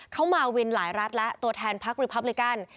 เขามาวินหลายรัฐแล้วตัวแทนพักรีพับลิกัน